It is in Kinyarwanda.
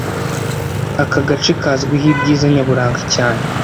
Aka gace kazwiho ibyiza nyaburanga cyane